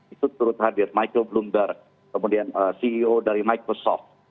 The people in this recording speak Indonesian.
ikut turut hadir michael bloomberg kemudian ceo dari microsoft